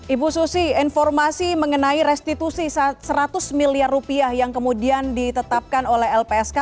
ibu susi informasi mengenai restitusi seratus miliar rupiah yang kemudian ditetapkan oleh lpsk